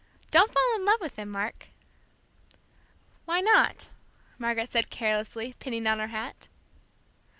"Don't fall in love with him, Mark." "Why not?" Margaret said carelessly, pinning on her hat.